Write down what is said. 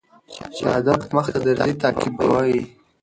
چي هدف مخته درځي تعقيبوه يې